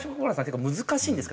結構難しいんですかね？